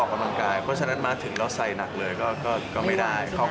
ทำอะไรบ้างกะวินไปเหลือบ้าง